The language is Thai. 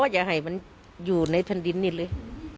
อย่าให้มันอยู่ในแผ่นดินนี่เลย